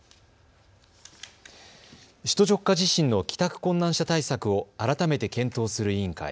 首都直下地震の帰宅困難者対策を改めて検討する委員会。